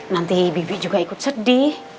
nanti bibi juga ikut sedih